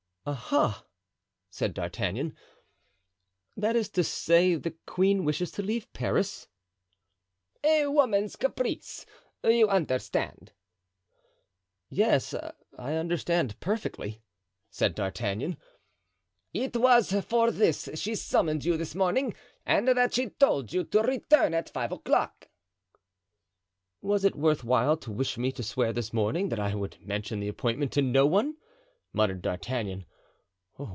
"Aha!" said D'Artagnan, "that is to say, the queen wishes to leave Paris." "A woman's caprice—you understand." "Yes, I understand perfectly," said D'Artagnan. "It was for this she summoned you this morning and that she told you to return at five o'clock." "Was it worth while to wish me to swear this morning that I would mention the appointment to no one?" muttered D'Artagnan.